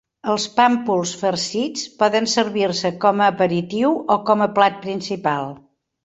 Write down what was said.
Els pàmpols farcits poden servir-se com a aperitiu o com a plat principal.